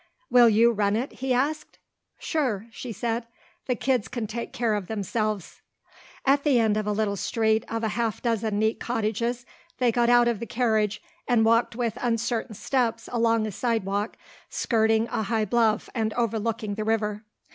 "Will you run it?" he asked. "Sure," she said. "The kids can take care of themselves." At the end of a little street of a half dozen neat cottages, they got out of the carriage and walked with uncertain steps along a sidewalk skirting a high bluff and overlooking the river.